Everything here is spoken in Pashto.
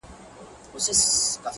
يو وايي جنايت بل وايي شرم,